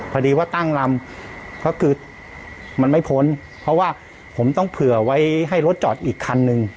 พอดีว่าตั้งลำก็คือมันไม่พ้นเพราะว่าผมต้องเผื่อไว้ให้รถจอดอีกคันนึง